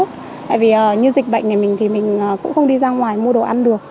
tại vì như dịch bệnh thì mình cũng không đi ra ngoài mua đồ ăn được